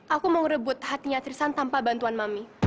aku mau ngerebut hatinya trisan tanpa bantuan mami